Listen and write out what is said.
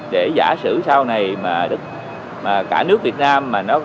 để giả sử sau này mà cả nước việt nam